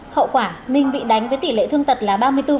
hậu quả minh bị đánh với tỷ lệ thương tật là ba mươi bốn